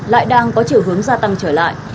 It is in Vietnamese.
lại đang có chiều hướng gia tăng trở lại